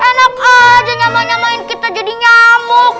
enak aja nyamain nyamain kita jadi nyamuk